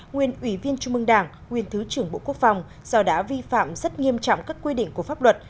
nguyên ủy viên trung mương đảng nguyên thứ trưởng bộ quốc phòng do đã vi phạm rất nghiêm trọng các quy định của pháp luật